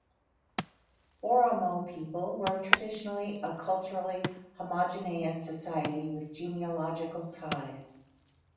Oromo people were traditionally a culturally homogeneous society with genealogical ties.